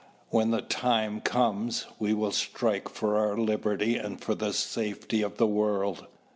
When the time comes, we will strike for our liberty and for the safety of the world."